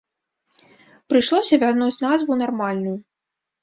Прыйшлося вярнуць назву нармальную.